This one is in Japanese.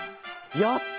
やった！